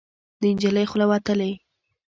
د نجلۍ خوله وتلې